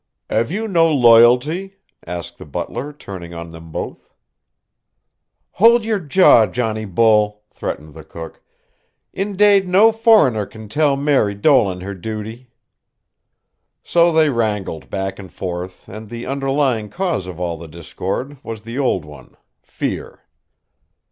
"'Ave you no loyalty?" asked the butler, turning on them both. "Hould yer jaw, Johnny Bull," threatened the cook. "Indade no foreigner can tell Mary Dolan her duty." So they wrangled back and forth, and the underlying cause of all the discord was the old one fear.